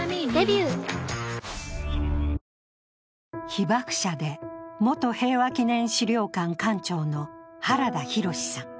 被爆者で元平和記念資料館館長の原田浩さん。